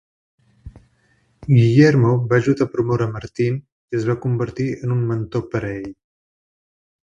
Guillermo va ajudar a promoure Martin i es va convertir en un mentor per a ell.